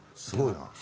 すごいな。